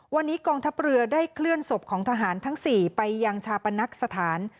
วันนี้กองทัพเรือได้เคลื่อนศพของทหารทั้ง๔ไปยังชาปนักสถาน